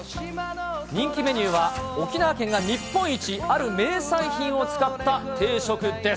人気メニューは沖縄県が日本一、ある名産品を使った定食です。